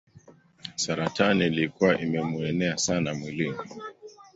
Saratani ilikuwa imemuenea sana mwilini.